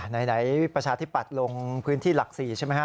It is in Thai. ในรายประชาชนิดที่ปัดลงพื้นที่หลัก๔ใช่ไหมฮะ